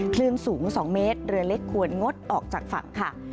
คลื่นสูง๒เมตรเรือเล็กควรงดออกจากฝั่งค่ะ